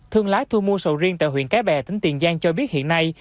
thương lái thu mua sầu riêng tại huyện cái bè tỉnh tiền giang cho biết hiện nay